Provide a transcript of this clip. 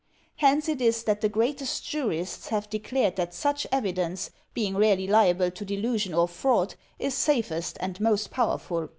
Hence it is that the greatest jurists have declared that such evidence, being rarely liable to delusion or fraud, is safest and most powerful.